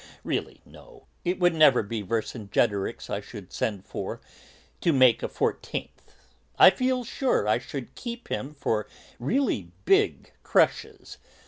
Really, no; it would never be Vercingetorix I should send for, to make a fourteenth. I feel sure, I should keep him for really big 'crushes.'